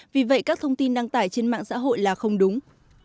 vì vậy các thông tin đăng tải trên mạng xã hội là không đúng